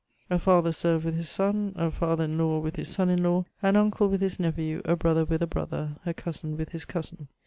A father served wxdi 1^ son, a father in law with his son4n law, an undo with his ne{^ew, a brother with a brother, a cousin with his cousin.